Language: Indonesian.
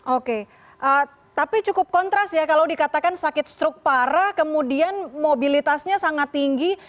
oke tapi cukup kontras ya kalau dikatakan sakit stroke parah kemudian mobilitasnya sangat tinggi